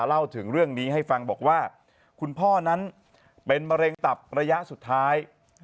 เล่าถึงเรื่องนี้ให้ฟังบอกว่าคุณพ่อนั้นเป็นมะเร็งตับระยะสุดท้าย